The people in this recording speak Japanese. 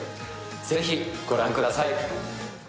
ぜひご覧ください。